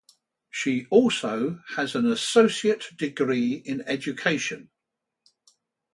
She also has an Associate Degree in Education.